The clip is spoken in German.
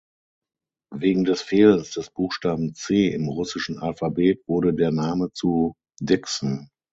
Wegen des Fehlens des Buchstaben "C" im russischen Alphabet wurde der Name zu "Dikson".